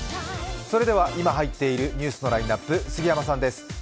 それでは、今入っているニュースのラインナップ、杉山さんです。